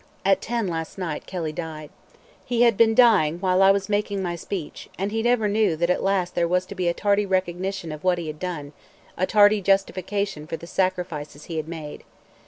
At ten last night Kelly died." He had been dying while I was making my speech, and he never knew that at last there was to be a tardy recognition of what he had done, a tardy justification for the sacrifices he had made.